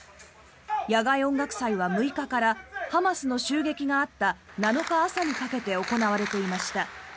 野外音楽祭は６日からハマスの襲撃があった７日朝にかけて行われていました。